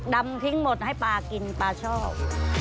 ดำทิ้งหมดให้ปลากินปลาชอบ